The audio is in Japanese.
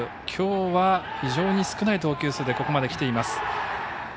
きょうは、非常に少ない投球数でここまできています。